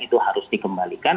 itu harus dikembalikan